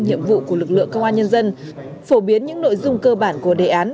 nhiệm vụ của lực lượng công an nhân dân phổ biến những nội dung cơ bản của đề án